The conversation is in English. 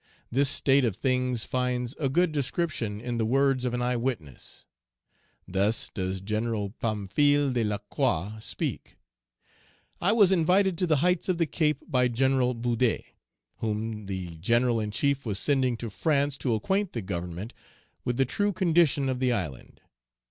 This state of things finds a good description in the words of an eye witness. Thus does General Pamphile de Lacroix speak: "I was invited to the heights of the Cape by General Boudet, whom the General in chief was sending to France to acquaint the Government with the true condition of the island.